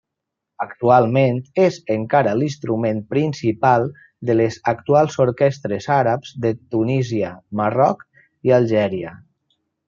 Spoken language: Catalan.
Actualment, és encara l'instrument principal de les actuals orquestres àrabs de Tunísia, Marroc i Algèria.